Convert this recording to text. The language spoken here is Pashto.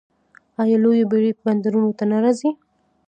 آیا لویې بیړۍ بندرونو ته نه راځي؟